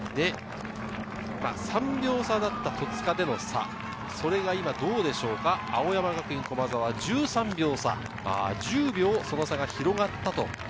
３秒差だった戸塚での差、それが今どうでしょうか青山学院、駒澤１３秒差、１０秒その差が広がった。